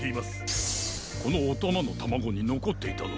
このおたまのタマゴにのこっていたのは。